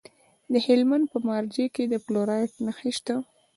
د هلمند په مارجه کې د فلورایټ نښې شته.